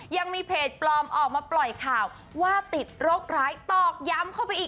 ยังมีเพจปลอมออกมาปล่อยข่าวว่าติดโรคร้ายตอกย้ำเข้าไปอีก